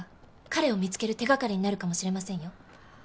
彼を見つける手掛かりになるかもしれませんよ。